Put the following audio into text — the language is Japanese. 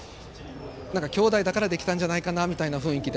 兄弟だからできたんじゃないかなみたいな雰囲気で。